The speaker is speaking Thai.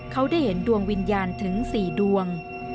เขาได้เห็นดวงวิญญาณถึง๔ดวง